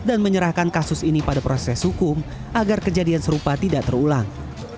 dan menyerahkan kasus ini pada proses hukum agar kejadian serupa tidak terulang